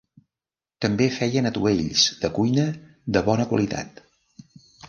També feien atuells de cuina de bona qualitat.